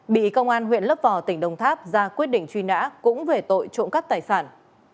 bị công an huyện lấp vò tỉnh đồng tháp ra quyết định truy nã cũng về tội trộm cắt tài sản